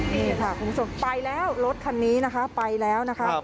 นี่ค่ะคุณผู้ชมไปแล้วรถคันนี้นะคะไปแล้วนะคะ